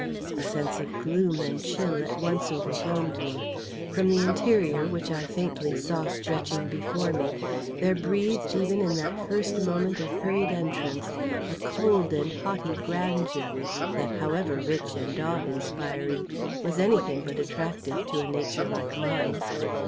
A sense of gloom and chill at once overwhelmed me. From the interior, which I faintly saw stretching before me, there breathed even in that first moment of hurried entrance a cold and haughty grandeur that, however rich and awe inspiring, was any thing but attractive to a nature like mine.